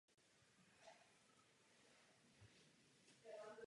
Proto její rozhodnutí budou různou měrou chybná.